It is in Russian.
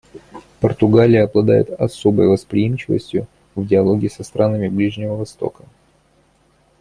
Португалия обладает особой восприимчивостью в диалоге со странами Ближнего Востока.